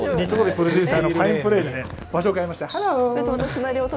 プロデューサーのファインプレーで場所を変えました。